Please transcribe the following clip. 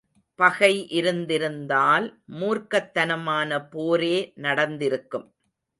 பகை இருந்திருந்தால் மூர்க்கத்தனமான போரே நடந்திருக்கும்.